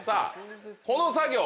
この作業